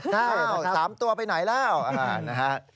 ใช่นะครับครับสามตัวไปไหนแล้วนะฮะ